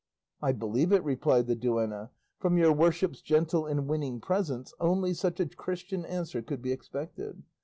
"I believe it," replied the duenna; "from your worship's gentle and winning presence only such a Christian answer could be expected.